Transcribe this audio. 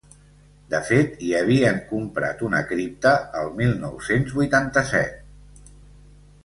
De fet, hi havien comprat una cripta el mil nou-cents vuitanta-set.